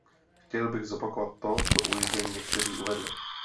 Chtěl bych zopakovat to, co už zde někteří uvedli.